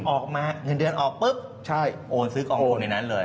ออกมาเงินเดือนออกปุ๊บใช่โอนซื้อกองทุนในนั้นเลย